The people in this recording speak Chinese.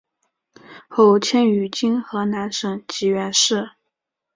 后迁于今河南省济源市。